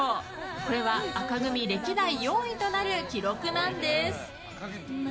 これは紅組歴代４位となる記録なんです。